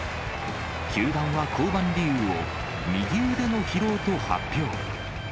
球団は降板理由を、右腕の疲労と発表。